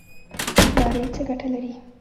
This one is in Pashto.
لاړې څه ګټه لري؟